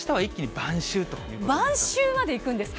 晩秋までいくんですか。